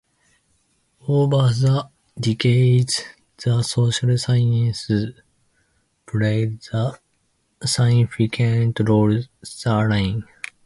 Over the decades, the social science's played a significant role therein.